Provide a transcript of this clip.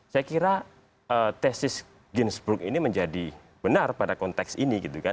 saya kira tesis games ini menjadi benar pada konteks ini gitu kan